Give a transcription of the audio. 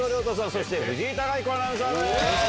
そして藤井貴彦アナウンサーです。